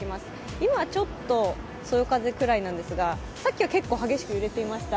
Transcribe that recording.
今、ちょっとその風くらいなんですがさっきは結構激しく揺れてました。